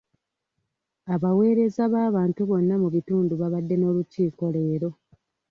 Abaweereza b'abantu bonna mu bitundu babadde n'olukiiko leero.